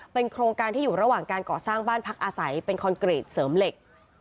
เป็นโครงการที่อยู่ระหว่างการก่อสร้างบ้านพักอาศัยเป็นคอนกรีตเสริมเหล็ก